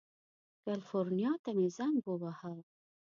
کلیفورنیا ته مې زنګ ووهه.